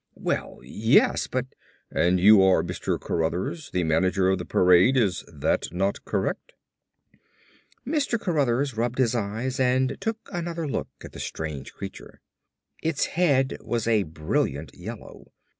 "Well, yes, but " "And you are Mr. Cruthers, the manager of the parade, is that not correct?" Mr. Cruthers rubbed his eyes and took another look at the strange creature. Its head was a brilliant yellow.